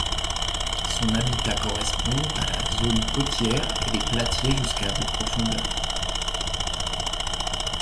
Son habitat correspond à la zone côtière et les platiers jusqu'à de profondeur.